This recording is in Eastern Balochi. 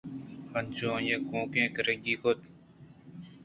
انچو آئی (گوکین) ءَ اے گِرَگی کُت